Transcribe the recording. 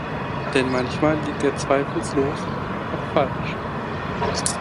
Denn manchmal liegt er zweifellos auch falsch.